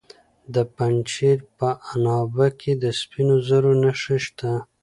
د پنجشیر په عنابه کې د سپینو زرو نښې شته.